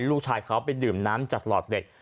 ลูกชายเขาไปดื่มน้ำจากหลอดเหล็ก